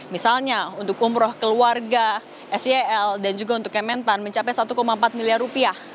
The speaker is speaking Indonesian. misalnya untuk umroh keluarga sel dan juga untuk kementan mencapai satu empat miliar rupiah